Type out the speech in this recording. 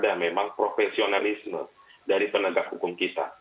dan memang profesionalisme dari penegak hukum kita